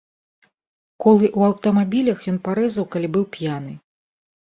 Колы ў аўтамабілях ён парэзаў, калі быў п'яны.